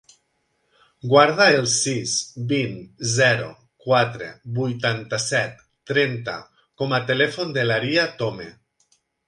Guarda el sis, vint, zero, quatre, vuitanta-set, trenta com a telèfon de l'Aria Tome.